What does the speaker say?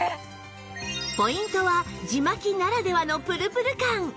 ポイントは地まきならではのぷるぷる感